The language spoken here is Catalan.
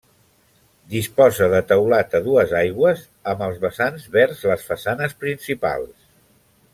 Disposa de teulat a dues aigües amb els vessants vers les façanes principals.